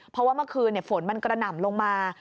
เพราะว่าเมื่อคืนฝนมันกระหน่ำลงมา